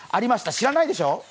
知らないでしょ？